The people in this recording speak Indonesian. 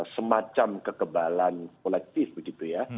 semacam kekebalan kolektif begitu ya